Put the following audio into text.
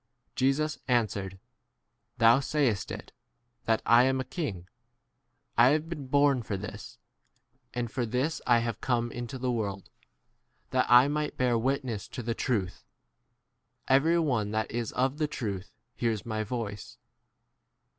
Jesus answered, Thou* sayest [it], that I" am a king. I* have been born for this, and for this I T T. E. adds Iva. JOHN XVIII, XIX. have come into the world, that I might bear witness to the truth. Every one that is of the truth 88 hears my voice.